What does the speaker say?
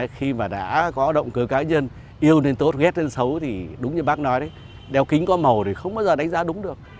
khi mà đã có động cơ cá nhân yêu nên tốt ghép lên xấu thì đúng như bác nói đấy đeo kính có màu thì không bao giờ đánh giá đúng được